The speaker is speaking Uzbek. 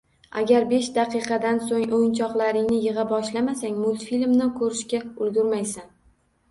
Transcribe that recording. “Agar besh daqiqadan so‘ng o‘yinchoqlaringni yig‘a boshlamasang, multfilmni ko‘rishga ulgurmaysan”.